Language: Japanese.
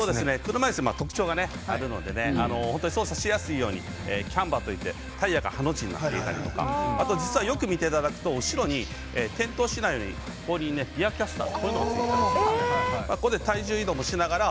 車いすの特徴があるので操作しやすいようにキャンバーといってタイヤがハの字になっていたりとか実はよく見ていただくと後ろに転倒しないようにリアキャスターこういうのもついています。